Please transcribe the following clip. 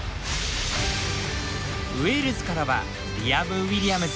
ウェールズからはリアム・ウィリアムズ。